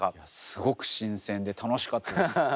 すごく新鮮で楽しかったです。